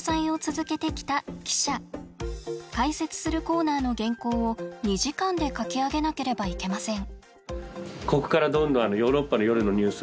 解説するコーナーの原稿を２時間で書き上げなければいけません。